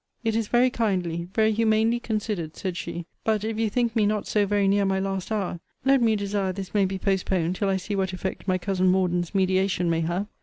It is very kindly, very humanely considered, said she. But, if you think me not so very near my last hour, let me desire this may be postponed till I see what effect my cousin Morden's mediation may have.